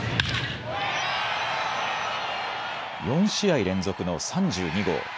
４試合連続の３２号。